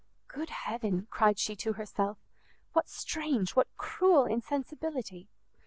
"Good heaven," cried she to herself, "what strange, what cruel insensibility!